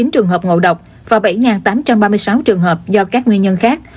một mươi trường hợp ngộ độc và bảy tám trăm ba mươi sáu trường hợp do các nguyên nhân khác